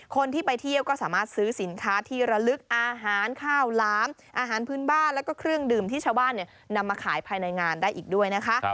คนที่ไปเที่ยวก็สามารถซื้อสินค้าที่ระลึกอาหารข้าวหลามอาหารพื้นบ้านแล้วก็เครื่องดื่มที่ชาวบ้านนำมาขายภายในงานได้อีกด้วยนะคะ